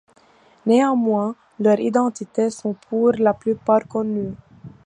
Néanmoins, leurs identités sont pour la plupart connues.